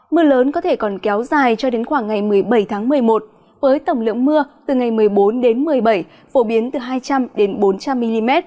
mưa lớn có thể còn kéo dài cho đến khoảng ngày một mươi bảy tháng một mươi một với tổng lượng mưa từ ngày một mươi bốn đến một mươi bảy phổ biến từ hai trăm linh bốn trăm linh mm